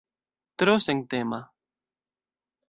Tro sentema.